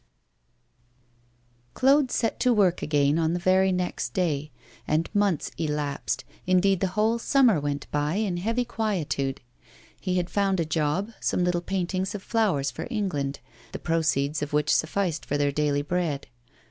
XI CLAUDE set to work again on the very next day, and months elapsed, indeed the whole summer went by, in heavy quietude. He had found a job, some little paintings of flowers for England, the proceeds of which sufficed for their daily bread.